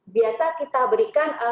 biasa kita berikan